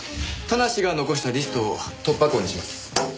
田無が残したリストを突破口にします。